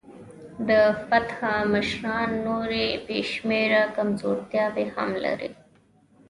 د فتح مشران نورې بې شمېره کمزورتیاوې هم لري.